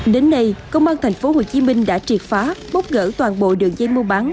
đến nay công an thành phố hồ chí minh đã triệt phá bốc gỡ toàn bộ đường dây mua bán